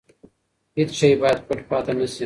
هیڅ شی باید پټ پاتې نه شي.